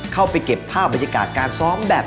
เข้าไปเก็บภาพบรรยากาศการซ้อมแบบ